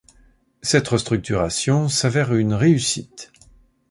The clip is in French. Cette restructuration s'avère une réussite.